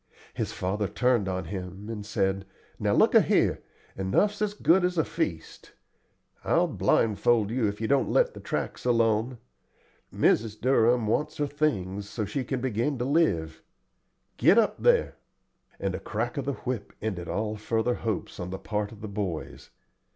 His father turned on him and said: "Now look a' here, enough's as good as a feast. I'll blindfold you if you don't let the tracks alone. Mrs. Durham wants her things, so she can begin to live. Get up there;" and a crack of the whip ended all further hopes on the part of the boys.